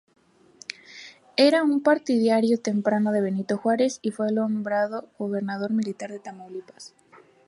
Era un partidario temprano de Benito Juárez, y fue nombrado gobernador militar de Tamaulipas.